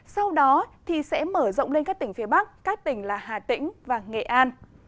sau đó sẽ mở rộng lên các tỉnh phía bắc các tỉnh là hà tĩnh và nghệ an